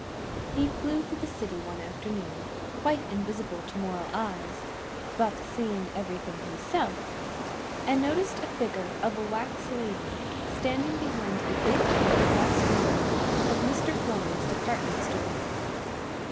He flew through the city one afternoon—quite invisible to mortal eyes, but seeing everything himself—and noticed a figure of a wax lady standing behind the big plate glass window of Mr. Floman's department store.